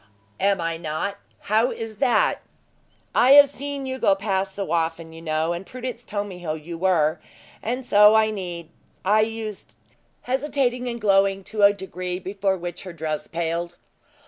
"Am I not? How is that!" "I have seen you go past so often, you know; and Prudence told me who you were; and so I need I used " hesitating and glowing to a degree before which her dress paled.